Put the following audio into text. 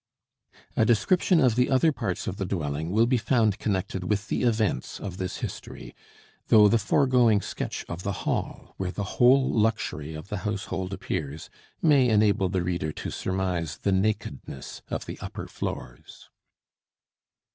A description of the other parts of the dwelling will be found connected with the events of this history, though the foregoing sketch of the hall, where the whole luxury of the household appears, may enable the reader to surmise the nakedness of the upper floors.